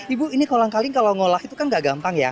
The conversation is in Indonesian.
ibu ini kolang kaling kalau ngolah itu kan gak gampang ya